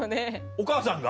お母さんが？